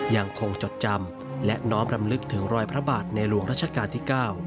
ยังคงจดจำและน้อมรำลึกถึงรอยพระบาทในหลวงรัชกาลที่๙